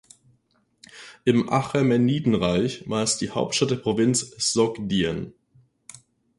Im Achämenidenreich war es die Hauptstadt der Provinz Sogdien.